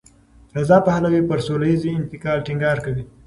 رضا پهلوي پر سولهییز انتقال ټینګار کوي.